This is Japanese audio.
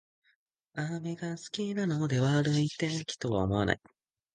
雨が好きなので悪い天気とは思わない